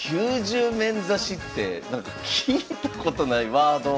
９０面指しって聞いたことないワード。